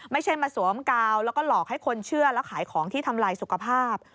ไม่ใช่มาสวมกาวแล้วก็หลอกให้คนเชื่อแล้วขายของที่ทำลายสุขภาพ